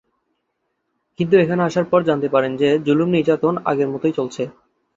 কিন্তু এখানে আসার পরে জানতে পারেন যে, জুলুম-নির্যাতন আগের মতই চলেছে।